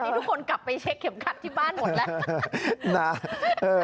นี่ทุกคนกลับไปเช็คเข็มขัดที่บ้านหมดแล้ว